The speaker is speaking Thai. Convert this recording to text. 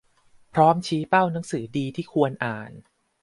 พร้อมชี้เป้าหนังสือดีที่ควรอ่าน